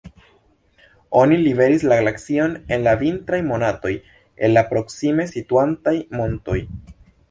Oni liveris la glacion en la vintraj monatoj el la proksime situantaj montoj.